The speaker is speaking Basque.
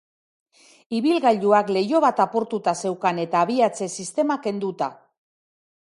Ibilgailuak leiho bat apurtuta zeukan eta abiatze sistema kenduta.